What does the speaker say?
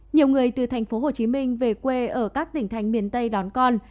nhiều người từ thành phố hồ chí minh về quê ở các tỉnh thành miền tây đón con